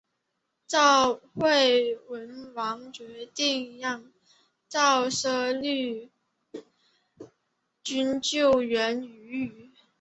赵惠文王决定让赵奢率军救援阏与。